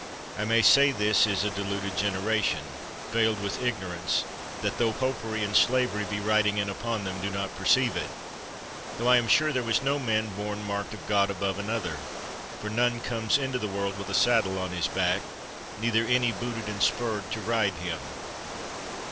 I may say this is a deluded generation, veiled with ignorance, that tho popery and slavery be riding in upon them, do not perceive it ; tho I am sure there was no man born marked of God above another, for none comes into the world with a saddle on his back, neither any booted and spurred to ride him.